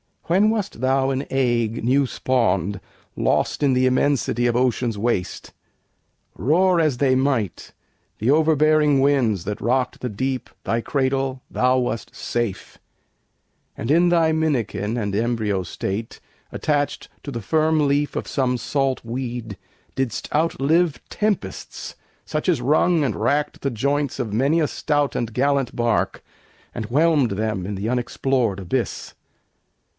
When wast thou an egg new spawn'd, Lost in the immensity of ocean's waste? Roar as they might, the overbearing winds That rock'd the deep, thy cradle, thou wast safe And in thy minikin and embryo state, Attach'd to the firm leaf of some salt weed, Didst outlive tempests, such as wrung and rack'd The joints of many a stout and gallant bark, And whelm'd them in the unexplor'd abyss.